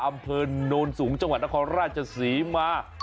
อำเภอโนนสูงจังหวัดนครราชศรีมา